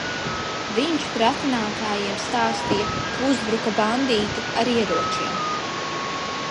Viņš pratinātājiem stāstīja, ka uzbruka bandīti ar ieročiem.